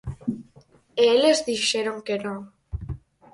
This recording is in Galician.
E eles dixeron que non.